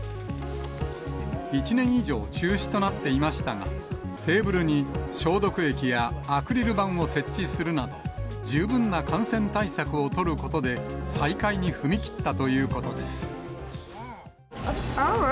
１年以上中止となっていましたが、テーブルに消毒液やアクリル板を設置するなど、十分な感染対策を取ることで、再開に踏み切ったということです。